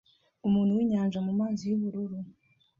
Umuntu winyanja mumazi yubururu